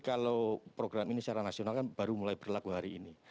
jadi kalau program ini secara nasional kan baru mulai berlaku hari ini